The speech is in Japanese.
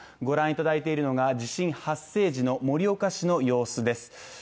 御覧いただいているのが地震発生時の盛岡市の様子です。